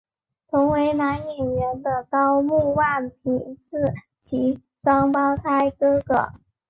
同为男演员的高木万平是其双胞胎哥哥。